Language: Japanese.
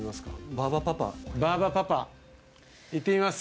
バーバパパバーバパパいってみます